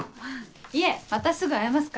いえまたすぐ会えますから。